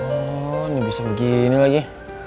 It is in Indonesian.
oh ini bisa begini lagi